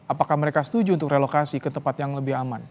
apakah mereka setuju untuk relokasi ke tempat yang lebih aman